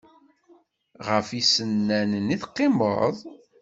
Ɣef yisennanen i teqqimeḍ?